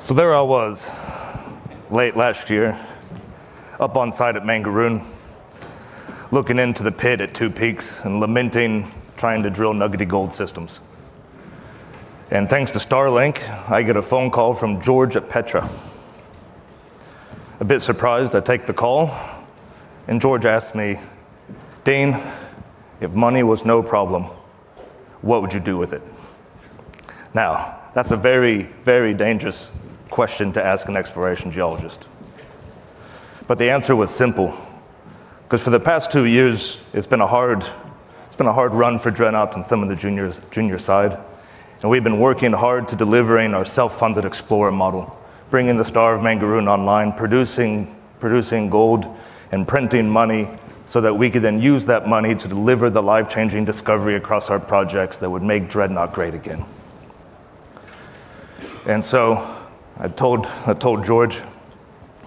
So there I was, late last year, up on site at Mangaroon, looking into the pit at Two Peaks and lamenting, trying to drill nuggety gold systems. Thanks to Starlink, I get a phone call from George at Petra. A bit surprised, I take the call, and George asks me, "Dean, if money was no problem, what would you do with it?" Now, that's a very, very dangerous question to ask an exploration geologist, but the answer was simple, because for the past two years, it's been a hard, it's been a hard run for Dreadnought and some of the juniors, junior side, and we've been working hard to delivering our self-funded explorer model, bringing the Star of Mangaroon online, producing, producing gold and printing money, so that we could then use that money to deliver the life-changing discovery across our projects that would make Dreadnought great again. I told George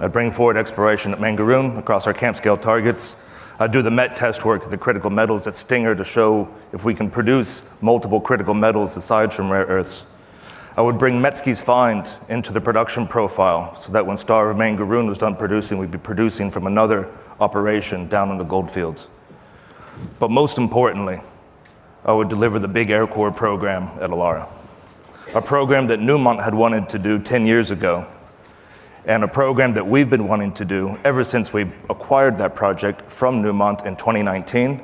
I'd bring forward exploration at Mangaroon across our camp-scale targets. I'd do the met test work at the critical metals at Stinger to show if we can produce multiple critical metals aside from rare earths. I would bring Metzke's Find into the production profile, so that when Star of Mangaroon was done producing, we'd be producing from another operation down in the Goldfields. Most importantly, I would deliver the big aircore program at Illaara, a program that Newmont had wanted to do 10 years ago, and a program that we've been wanting to do ever since we acquired that project from Newmont in 2019,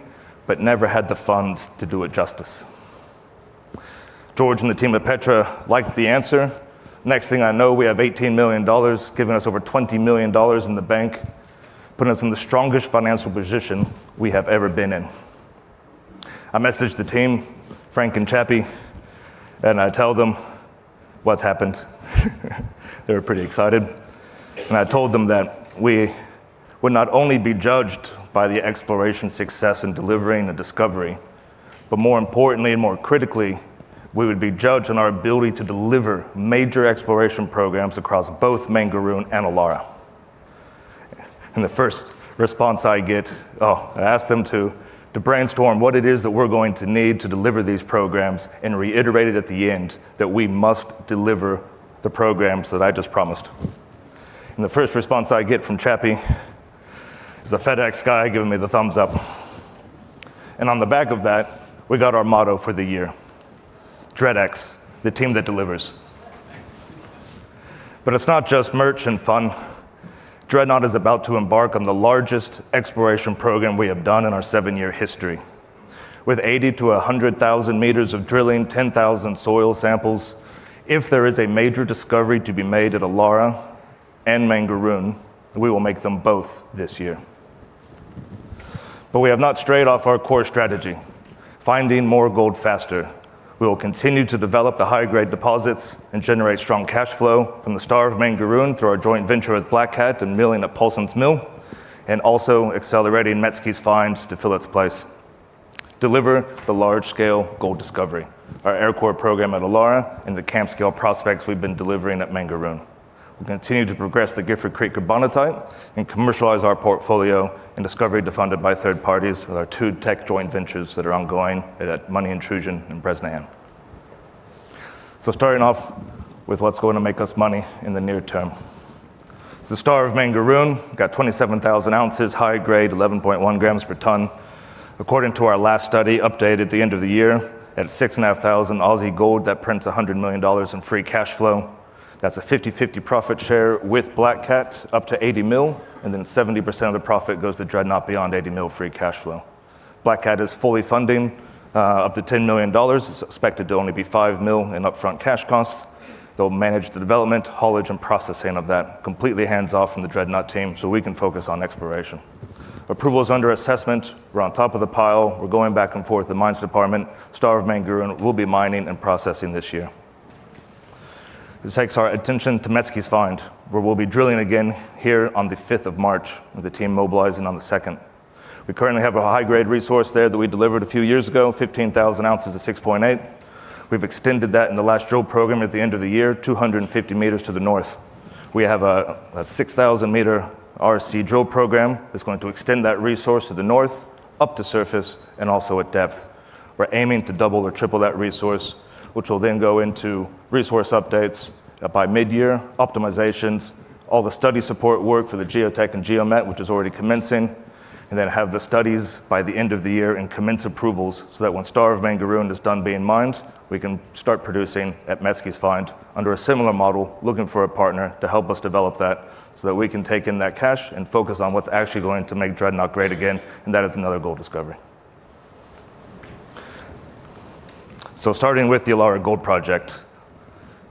but never had the funds to do it justice. George and the team at Petra liked the answer. Next thing I know, we have 18 million dollars, giving us over 20 million dollars in the bank, putting us in the strongest financial position we have ever been in. I messaged the team, Frank and Chappie, and I tell them what's happened. They were pretty excited, and I told them that we would not only be judged by the exploration success in delivering the discovery, but more importantly and more critically, we would be judged on our ability to deliver major exploration programs across both Mangaroon and Illaara. And the first response I get... Oh, I asked them to brainstorm what it is that we're going to need to deliver these programs and reiterated at the end that we must deliver the programs that I just promised. And the first response I get from Chappie is a FedEx guy giving me the thumbs up. On the back of that, we got our motto for the year: DreadX, the team that delivers. But it's not just merch and fun. Dreadnought is about to embark on the largest exploration program we have done in our seven-year history, with 80,000-100,000 meters of drilling, 10,000 soil samples. If there is a major discovery to be made at Illaara and Mangaroon, we will make them both this year. But we have not strayed off our core strategy: finding more gold faster. We will continue to develop the high-grade deposits and generate strong cash flow from the Star of Mangaroon through our joint venture with Black Cat and milling at Paulsens Mill, and also accelerating Metzke's Find to fill its place. Deliver the large-scale gold discovery, our aircore program at Illaara, and the camp-scale prospects we've been delivering at Mangaroon. We continue to progress the Gifford Creek Carbonatite and commercialize our portfolio and discovery defined by third parties with our two tech joint ventures that are ongoing at Money Intrusion and Bresnahan. Starting off with what's going to make us money in the near term. Star of Mangaroon got 27,000 ounces, high grade, 11.1 grams per tonne. According to our last study, updated at the end of the year, at 6,500 Aussie gold, that prints 100 million dollars in free cash flow. That's a 50/50 profit share with Black Cat, up to 80 million, and then 70% of the profit goes to Dreadnought beyond 80 million free cash flow. Black Cat is fully funding up to 10 million dollars. It's expected to only be 5 million in upfront cash costs. They'll manage the development, haulage, and processing of that, completely hands-off from the Dreadnought team, so we can focus on exploration. Approval is under assessment. We're on top of the pile. We're going back and forth with the Mines department. Star of Mangaroon will be mining and processing this year. This takes our attention to Metzke's Find, where we'll be drilling again here on the fifth of March, with the team mobilizing on the second. We currently have a high-grade resource there that we delivered a few years ago, 15,000 ounces at 6.8 g/t. We've extended that in the last drill program at the end of the year, 250 meters to the north. We have a 6,000-meter RC drill program that's going to extend that resource to the north, up to surface, and also at depth. We're aiming to double or triple that resource, which will then go into resource updates by mid-year, optimizations, all the study support work for the geotech and geomet, which is already commencing, and then have the studies by the end of the year and commence approvals so that when Star of Mangaroon is done being mined, we can start producing at Metzke's Find under a similar model, looking for a partner to help us develop that, so that we can take in that cash and focus on what's actually going to make Dreadnought great again, and that is another gold discovery. So starting with the Illaara Gold Project,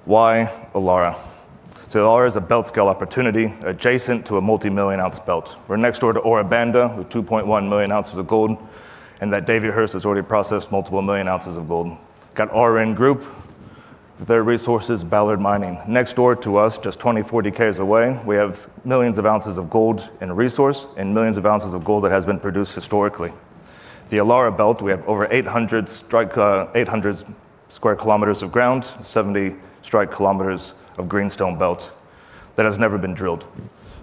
why Illaara? So Illaara is a belt-scale opportunity adjacent to a multi-million-ounce belt. We're next door to Ora Banda, with 2.1 million ounces of gold, and that Davyhurst has already processed multiple million ounces of gold. Got Aurenne Group, their resources, Ballard Mining. Next door to us, just 20-40 km away, we have millions of ounces of gold in resource and millions of ounces of gold that has been produced historically. The Illaara Belt, we have over 800 strike, 800 sq km of ground, 70 km strike of greenstone belt that has never been drilled.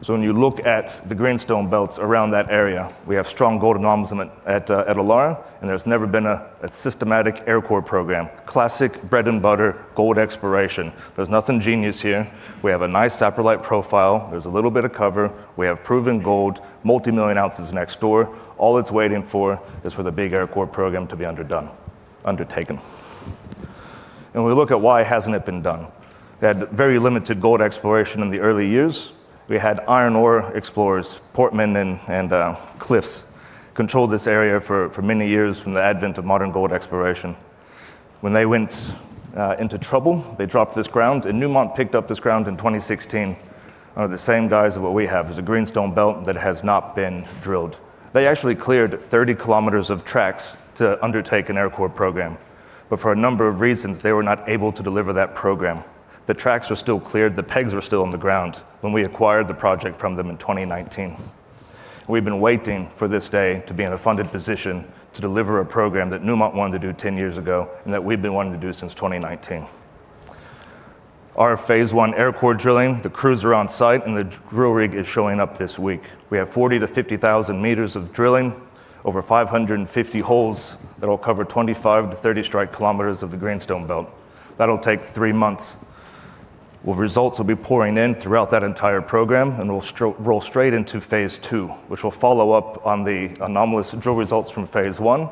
So when you look at the greenstone belts around that area, we have strong gold anomalism at Illaara, and there's never been a systematic aircore program. Classic bread and butter gold exploration. There's nothing genius here. We have a nice satellite profile. There's a little bit of cover. We have proven gold, multi-million ounces next door. All it's waiting for is for the big aircore program to be undertaken. And we look at why hasn't it been done? They had very limited gold exploration in the early years. We had iron ore explorers, Portman and Cliffs, controlled this area for many years from the advent of modern gold exploration. When they went into trouble, they dropped this ground, and Newmont picked up this ground in 2016 under the same guise of what we have. There's a greenstone belt that has not been drilled. They actually cleared 30 kilometers of tracks to undertake an aircore program, but for a number of reasons, they were not able to deliver that program. The tracks were still cleared, the pegs were still in the ground when we acquired the project from them in 2019. We've been waiting for this day to be in a funded position to deliver a program that Newmont wanted to do 10 years ago, and that we've been wanting to do since 2019. Our phase one aircore drilling, the crews are on site, and the drill rig is showing up this week. We have 40,000-50,000 meters of drilling, over 550 holes that will cover 25-30 km strike length of the greenstone belt. That'll take 3 months, where results will be pouring in throughout that entire program, and we'll roll straight into phase two, which will follow up on the anomalous drill results from phase one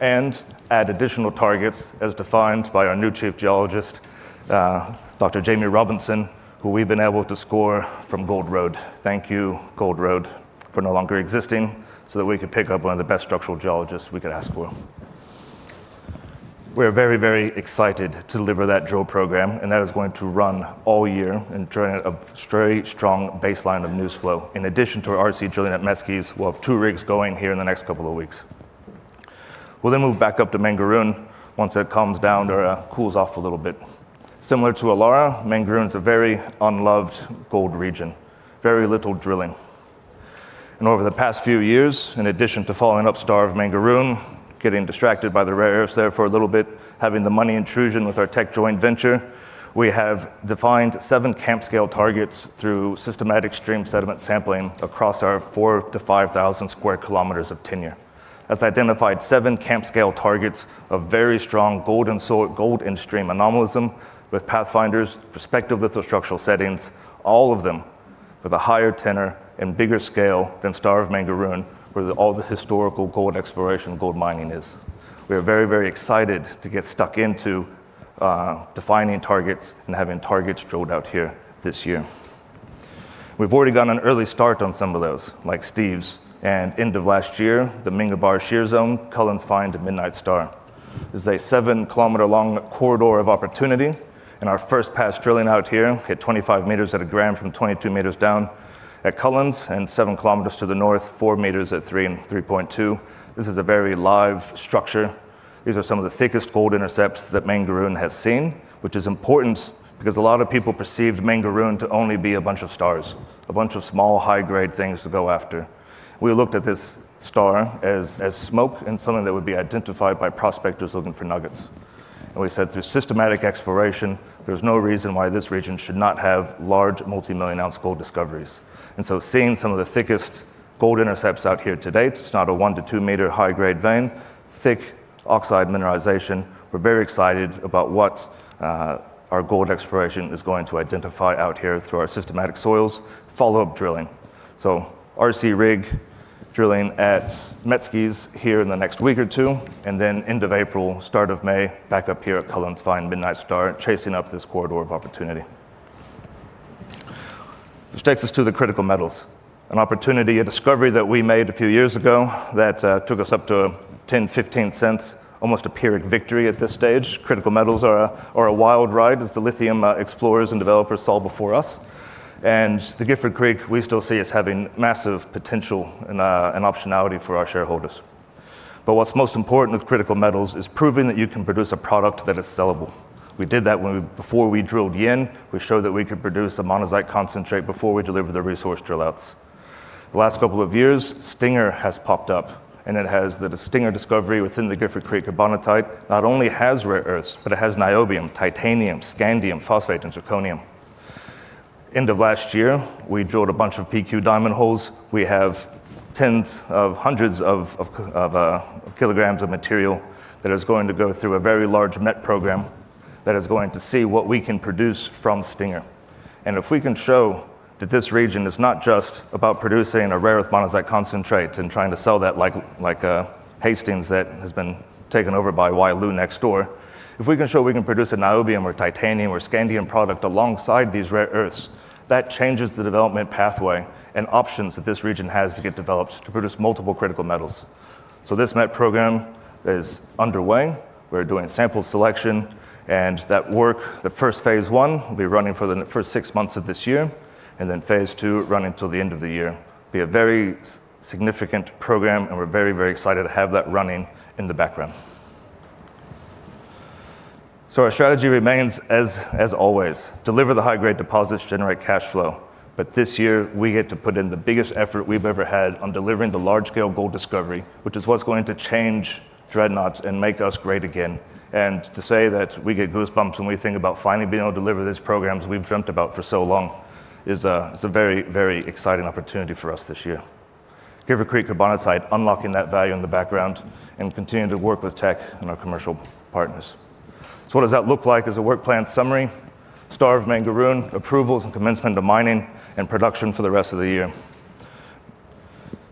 and add additional targets as defined by our new Chief Geologist, Dr. Jamie Robinson, who we've been able to score from Gold Road. Thank you, Gold Road, for no longer existing, so that we could pick up one of the best structural geologists we could ask for. We're very, very excited to deliver that drill program, and that is going to run all year and generate a very strong baseline of news flow. In addition to our RC drilling at Metzke's, we'll have two rigs going here in the next couple of weeks. We'll then move back up to Mangaroon once it calms down or cools off a little bit. Similar to Illaara, Mangaroon is a very unloved gold region, very little drilling. Over the past few years, in addition to following up Star of Mangaroon, getting distracted by the rare earths there for a little bit, having the Money Intrusion with our tech joint venture, we have defined seven camp-scale targets through systematic stream sediment sampling across our 4,000-5,000 sq km of tenure. That's identified seven camp-scale targets of very strong gold and gold in-stream anomalism with pathfinders, prospective lithostructural settings, all of them with a higher tenor and bigger scale than Star of Mangaroon, where all the historical gold exploration and gold mining is. We are very, very excited to get stuck into defining targets and having targets drilled out here this year. We've already gotten an early start on some of those, like Steve's, and end of last year, the Minga Bar Shear Zone, Cullens Find, and Midnight Star. This is a 7 km long corridor of opportunity, and our first pass drilling out here hit 25 m at 1 g/t from 22 meters down at Cullins, and 7 km to the north, 4 meters at 3 g/t and 3.2 g/t. This is a very live structure. These are some of the thickest gold intercepts that Mangaroon has seen, which is important because a lot of people perceived Mangaroon to only be a bunch of stars, a bunch of small, high-grade things to go after. We looked at this star as, as smoke and something that would be identified by prospectors looking for nuggets. We said, through systematic exploration, there's no reason why this region should not have large, multi-million-ounce gold discoveries. So seeing some of the thickest gold intercepts out here to date, it's not a 1-2-meter high-grade vein, thick oxide mineralization. We're very excited about what our gold exploration is going to identify out here through our systematic soils follow-up drilling. So RC rig drilling at Metzke's here in the next week or two, and then end of April, start of May, back up here at Cullens Find, Midnight Star, chasing up this corridor of opportunity. Which takes us to the critical metals, an opportunity, a discovery that we made a few years ago that took us up to 0.10-0.15, almost a pyrrhic victory at this stage. Critical metals are a wild ride, as the lithium explorers and developers saw before us. And the Gifford Creek, we still see as having massive potential and optionality for our shareholders. But what's most important with critical metals is proving that you can produce a product that is sellable. We did that before we drilled Yin, we showed that we could produce a monazite concentrate before we delivered the resource drill outs. The last couple of years, Stinger has popped up, and it has the Stinger discovery within the Gifford Creek Carbonatite, not only has rare earths, but it has niobium, titanium, scandium, phosphate, and zirconium. End of last year, we drilled a bunch of PQ diamond holes. We have tens of hundreds of kilograms of material that is going to go through a very large met program that is going to see what we can produce from Stinger. And if we can show that this region is not just about producing a rare earth monazite concentrate and trying to sell that like, like a Hastings that has been taken over by Wyloo next door, if we can show we can produce a niobium or titanium or scandium product alongside these rare earths, that changes the development pathway and options that this region has to get developed to produce multiple critical metals. So this met program is underway. We're doing sample selection and that work, the first phase one, will be running for the first six months of this year, and then phase two running till the end of the year. It'll be a very significant program, and we're very, very excited to have that running in the background. So our strategy remains as, as always: deliver the high-grade deposits, generate cash flow. But this year, we get to put in the biggest effort we've ever had on delivering the large-scale gold discovery, which is what's going to change Dreadnought's and make us great again. And to say that we get goosebumps when we think about finally being able to deliver these programs we've dreamt about for so long is a, is a very, very exciting opportunity for us this year... Gifford Creek Carbonatite site, unlocking that value in the background and continuing to work with tech and our commercial partners. So what does that look like as a work plan summary? Star of Mangaroon, approvals and commencement of mining and production for the rest of the year.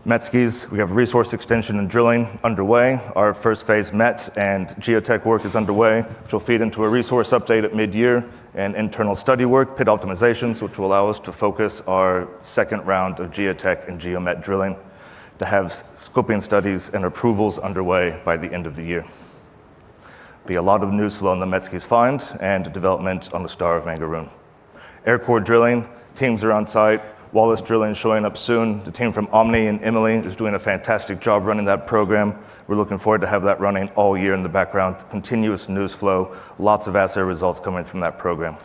Metzke's, we have resource extension and drilling underway. Our first phase met, and geotech work is underway, which will feed into a resource update at mid-year and internal study work, pit optimizations, which will allow us to focus our second round of geotech and geomet drilling to have scoping studies and approvals underway by the end of the year. Be a lot of news flow on the Metzke's Find and development on the Star of Mangaroon. Aircore drilling, teams are on site, Wallace Drilling showing up soon. The team from Omni and Emmeline is doing a fantastic job running that program. We're looking forward to have that running all year in the background. Continuous news flow, lots of assay results coming from that program.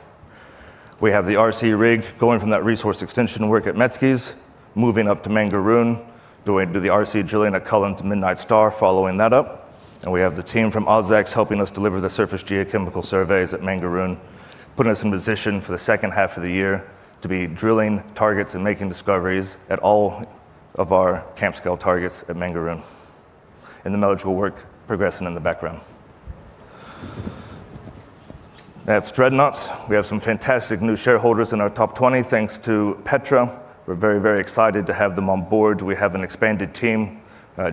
We have the RC rig going from that resource extension work at Metzke's Find, moving up to Mangaroon, doing the RC drilling at Cullins to Midnight Star, following that up. We have the team from OzEx helping us deliver the surface geochemical surveys at Mangaroon, putting us in position for the second half of the year to be drilling targets and making discoveries at all of our camp-scale targets at Mangaroon, and the metallurgical work progressing in the background. At Dreadnought's, we have some fantastic new shareholders in our top 20. Thanks to Petra. We're very, very excited to have them on board. We have an expanded team.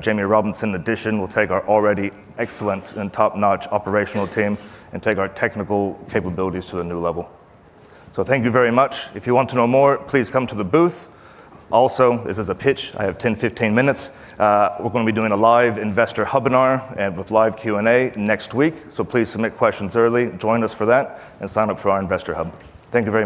Jamie Robinson addition will take our already excellent and top-notch operational team and take our technical capabilities to a new level. So thank you very much. If you want to know more, please come to the booth. Also, this is a pitch. I have 10-15 minutes. We're going to be doing a live InvestorHub webinar with live Q&A next week, so please submit questions early, join us for that, and sign up for our InvestorHub. Thank you very much!